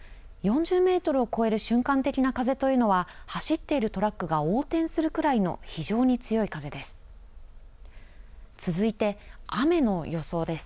４０メートルを超える瞬間的な風というのは、走っているトラックが横転するくらいの非常に強い風です。